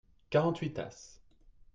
quarante huit tasses.